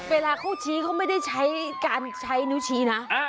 เวลาเขาชี้เขาไม่ได้ใช้การใช้นิ้วชี้นะ